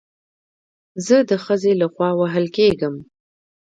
زه د خځې له خوا وهل کېږم